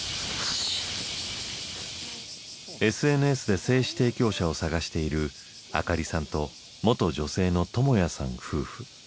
ＳＮＳで精子提供者を探しているあかりさんと元女性のともやさん夫婦。